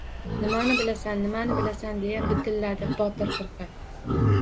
— Nimani bilasan, nimani bilasan? — deya bidilladi Botir firqa.